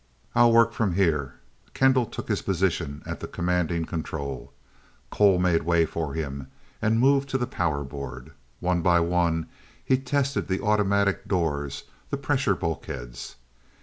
"I'll work from here." Kendall took his position at the commanding control. Cole made way for him, and moved to the power board. One by one he tested the automatic doors, the pressure bulkheads.